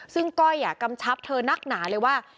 ซึ่งก้อยกำชับเธอนักหนาเลยว่า